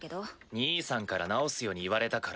兄さんから直すように言われたから。